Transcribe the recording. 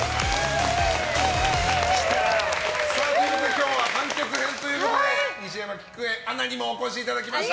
今日は完結編ということで西山喜久恵アナにもお越しいただきました。